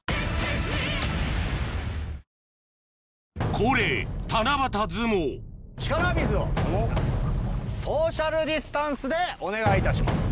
恒例力水をソーシャルディスタンスでお願いいたします。